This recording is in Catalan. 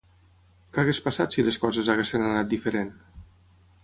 Què hagués passat si les coses haguessin anat diferent?